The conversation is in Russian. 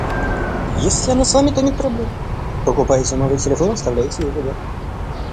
Если она с вами, то нет проблем - покупаете новый телефон и вставляете ее туда.